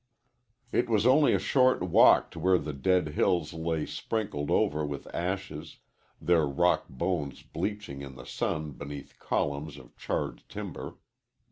It was only a short walk to where the dead hills lay sprinkled over with ashes, their rock bones bleaching in the sun beneath columns of charred timber.